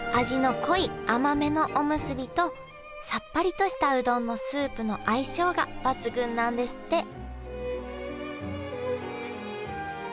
味の濃い甘めのおむすびとさっぱりとしたうどんのスープの相性が抜群なんですって